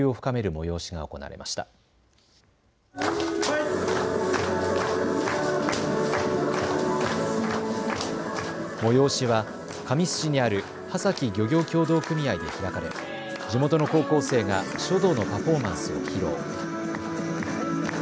催しは神栖市にあるはさき漁業協同組合で開かれ地元の高校生が書道のパフォーマンスを披露。